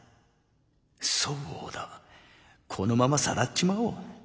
そうだこのままさらっちまおう。